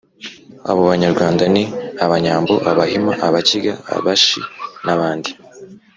Abo banyarwanda ni Abanyambo, Abahima, Abakiga, Abashi n'abandi.